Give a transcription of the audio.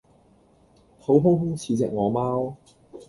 肚空空似隻餓貓